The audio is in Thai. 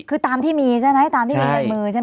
คือตามที่มีใช่ไหมตามที่มีในมือใช่ไหม